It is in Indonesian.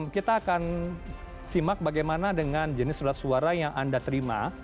kita akan simak bagaimana dengan jenis surat suara yang anda terima